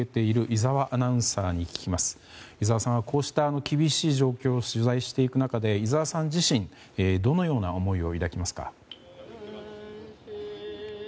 井澤さん、こうした厳しい状況を取材していく中で井澤さん自身どのような思いを抱きますか。